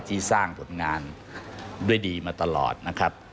ที่สร้างผลงานด้วยดีมาตลอดนะครับ